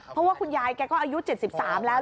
เพราะว่าคุณยายแกก็อายุ๗๓แล้ว